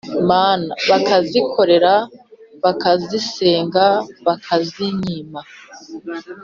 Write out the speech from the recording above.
mana bakazikorera bakazisenga bakanyima